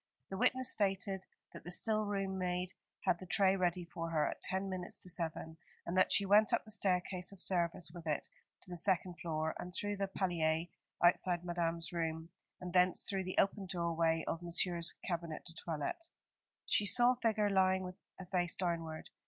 The witness stated that the still room maid had the tray ready for her at ten minutes to seven, and that she went up the staircase of service with it to the second floor, and through the palier outside Madame's room, and thence through the open doorway of Monsieur's cabinet de toilette. She saw a figure lying with the face downward.